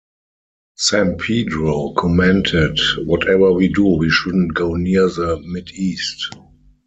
Sampedro commented, Whatever we do, we shouldn't go near the Mideast.